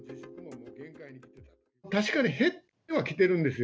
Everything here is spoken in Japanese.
確かに減ってはきてるんですよ。